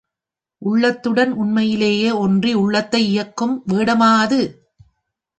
உள்ளத்துடன் உண்மையிலேயே ஒன்றி, உள்ளத்தை இயக்கும் வேடமா அது?